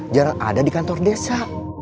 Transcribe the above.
jarang ada di kantor desa